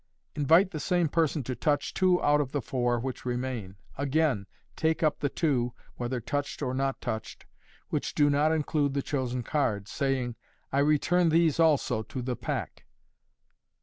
Invite the same person to touch two out of the four which remain. A gain take up the two (whether touched or not touched) which do uot include the chosen card, saying, " I return these also to the pack."